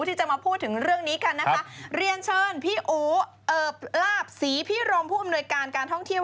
ที่จะมาพูดถึงเรื่องนี้กันนะคะเรียนเชิญพี่อู๋เอิบลาบศรีพิรมผู้อำนวยการการท่องเที่ยว